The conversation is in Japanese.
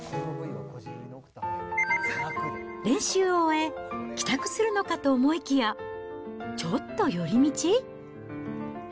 練習を終え、帰宅するのかと思いきや、ちょうど寄り道。